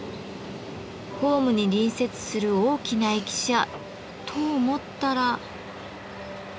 ホームに隣接する大きな駅舎と思ったら。